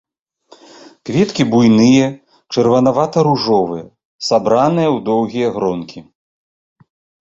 Кветкі буйныя, чырванавата-ружовыя, сабраны ў доўгія гронкі.